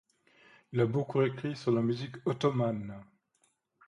Il a beaucoup écrit sur la musique ottomane.